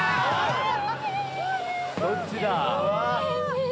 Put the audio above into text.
どっちだ？